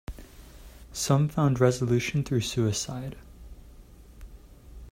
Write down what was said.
Some found resolution through suicide.